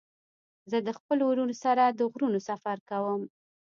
زه د خپلو ورونو سره د غرونو سفر کوم.